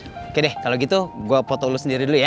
oke deh kalau gitu gue foto ulu sendiri dulu ya